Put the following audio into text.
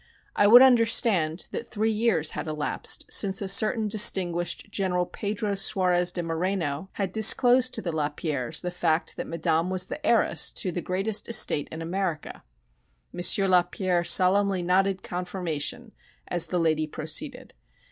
I would understand that three years had elapsed since a certain distinguished General Pedro Suarez de Moreno had disclosed to the Lapierres the fact that Madame was the heiress to the greatest estate in America. M. Lapierre solemnly nodded confirmation as the lady proceeded.